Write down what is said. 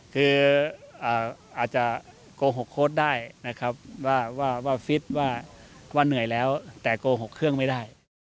คืออาจจะโกหกโค้ดได้นะครับว่าฟิตว่าเหนื่อยแล้วแต่โกหกเครื่องไม่ได้